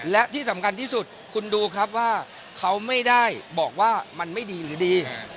และที่สำคัญที่สุดคุณดูครับว่าเขาไม่ได้บอกว่ามันไม่ดีหรือดี